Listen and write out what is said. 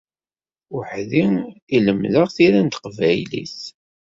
Weḥd-i i lemdeɣ tira n teqbaylit.